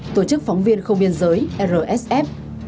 tổ chức phóng viên không biên giới rsf